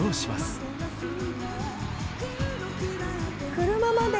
車まで。